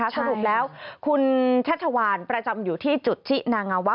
สรุปแล้วคุณชัชวานประจำอยู่ที่จุดชินางาวะ